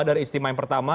dari istimewa yang pertama